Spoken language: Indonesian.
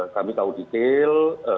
kami tahu detail